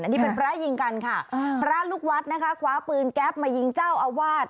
อันนี้เป็นพระยิงกันค่ะพระลูกวัดนะคะคว้าปืนแก๊ปมายิงเจ้าอาวาส